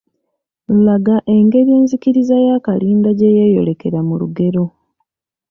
Laga engeri enzikiriza ya Kalinda gye yeeyolekera mu lugero